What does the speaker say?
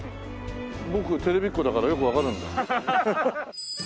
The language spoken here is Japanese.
僕テレビっ子だからよくわかるんだよ。